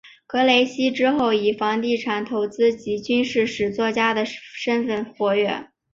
格雷西之后以房地产投资及军事史作家的身分活跃。